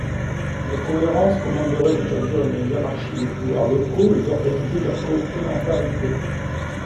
La cohérence commanderait d’établir une hiérarchie des pouvoirs locaux et d’organiser leur complémentarité.